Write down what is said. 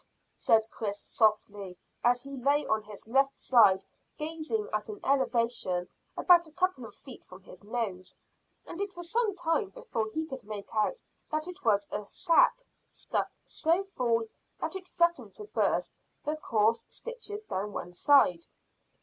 said Chris softly, as he lay on his left side gazing at an elevation about a couple of feet from his nose; and it was some time before he could make out that it was a sack, stuffed so full that it threatened to burst the coarse stitches down one side.